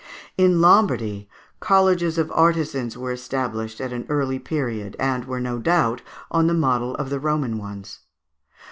In Lombardy colleges of artisans were established at an early period, and were, no doubt, on the model of the Roman ones.